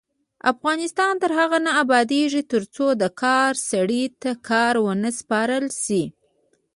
افغانستان تر هغو نه ابادیږي، ترڅو د کار سړي ته کار ونه سپارل شي.